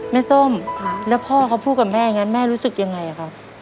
ส้มแล้วพ่อเขาพูดกับแม่อย่างนั้นแม่รู้สึกยังไงครับ